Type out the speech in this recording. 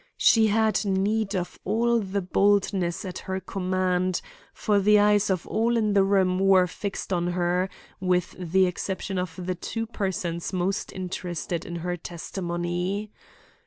She had need of all the boldness at her command, for the eyes of all in the room were fixed on her, with the exception of the two persons most interested in her testimony.